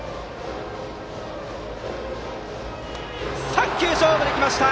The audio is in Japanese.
３球勝負で来ました！